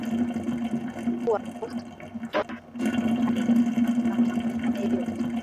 mkuu wa kikosi cha uokoaji grek hais amesema hakuna yeyote